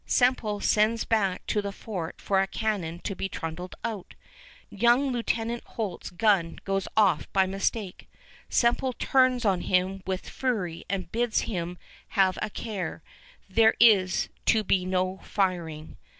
Semple sends back to the fort for a cannon to be trundled out. Young Lieutenant Holte's gun goes off by mistake. Semple turns on him with fury and bids him have a care: there is to be no firing.